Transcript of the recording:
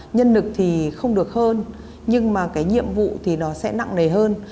nhân lực thì không được hơn nhưng mà cái nhiệm vụ thì nó sẽ nặng nề hơn